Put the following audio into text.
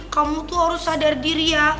kamu tuh harus sadar diri ya